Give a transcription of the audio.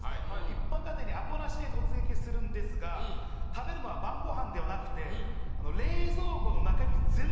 一般家庭にアポなしで突撃するんですが食べるのは晩ごはんではなくてえっ！？